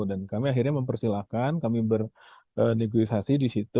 dan kami akhirnya mempersilahkan kami bernegosiasi di situ